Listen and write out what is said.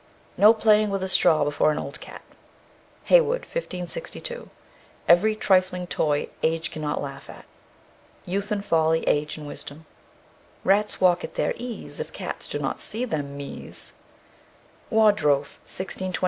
No playing with a straw before an old cat. HEYWOOD, 1562. Every trifling toy age cannot laugh at. "Youth and Folly, Age and Wisdom." Rats walk at their ease if cats do not them meese. WODROEPHE, 1623.